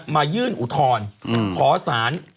มายื่นอุทธรณ์ขอสาร